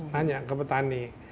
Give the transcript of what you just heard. tanya ke petani